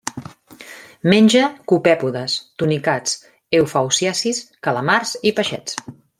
Menja copèpodes, tunicats, eufausiacis, calamars i peixets.